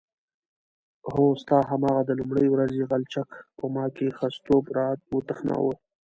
هو ستا هماغه د لومړۍ ورځې غلچک په ما کې ښځتوب راوتخناوه.